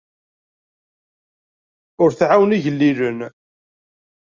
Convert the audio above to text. Ur tɛawen igellilen.